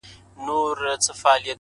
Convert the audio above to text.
په پوهېږمه که نه د وجود ساز دی!!